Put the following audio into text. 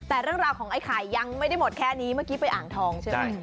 แต่ร่างราวของขายยังไม่ได้หมดแค่นี้ต่อกี้ไปอ่างทองใช่ไหม